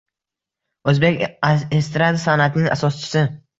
O‘zbek estrada san’atining asoschisi